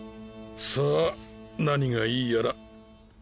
さぁ何がいいやら。